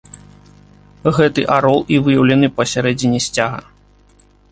Гэты арол і выяўлены пасярэдзіне сцяга.